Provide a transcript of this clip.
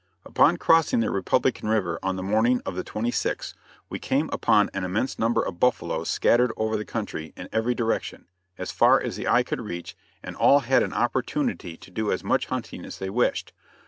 Upon crossing the Republican river on the morning of the 26th, we came upon an immense number of buffaloes scattered over the country in every direction, as far as the eye could reach and all had an opportunity to do as much hunting as they wished.